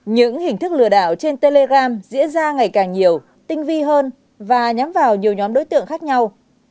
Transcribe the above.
những hình thức lừa đảo trên telegram diễn ra ngày càng nhiều tinh vi hơn và nhắm vào nhiều nhóm đối tượng khác nhau